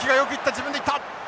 自分で行った！